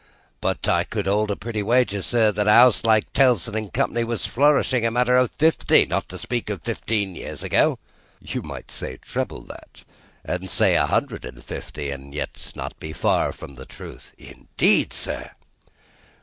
"But I would hold a pretty wager, sir, that a House like Tellson and Company was flourishing, a matter of fifty, not to speak of fifteen years ago?" "You might treble that, and say a hundred and fifty, yet not be far from the truth." "Indeed, sir!"